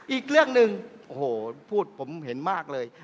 อีกเรื่องหนึ่งโอ้โหพูดผมเห็นมากเลย